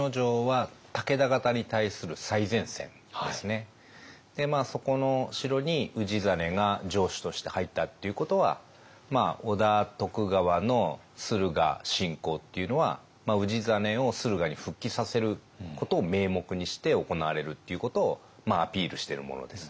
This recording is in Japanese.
この牧野城はそこの城に氏真が城主として入ったっていうことは織田徳川の駿河侵攻っていうのは氏真を駿河に復帰させることを名目にして行われるっていうことをアピールしてるものですね。